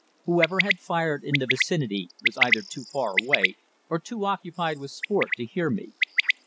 Whoever had fired in the vicinity was either too far away, or too occupied with his sport to hear me.